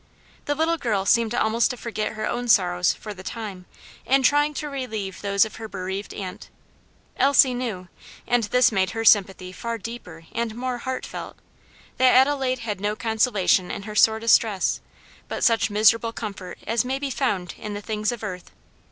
The little girl seemed almost to forget her own sorrows, for the time, in trying to relieve those of her bereaved aunt. Elsie knew and this made her sympathy far deeper and more heartfelt that Adelaide had no consolation in her sore distress, but such miserable comfort as may be found in the things of earth.